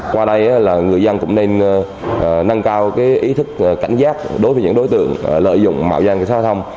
qua đây là người dân cũng nên nâng cao ý thức cảnh giác đối với những đối tượng lợi dụng mạo dân xã hội thông